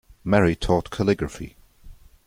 Marie taught calligraphy.